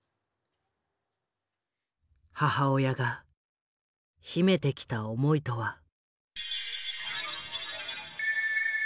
母親が秘めてきた思いとは。